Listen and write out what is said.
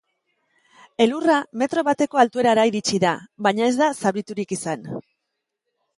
Elurra metro bateko altuerara iritsi da, baina ez da zauriturik izan.